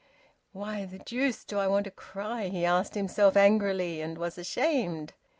"Why the deuce do I want to cry?" he asked himself angrily, and was ashamed.